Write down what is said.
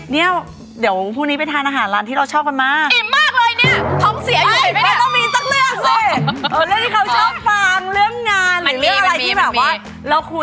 เนี่ยเดี๋ยวพรุ่งนี้ไปทานอาหารร้านที่เราชอบกันมาก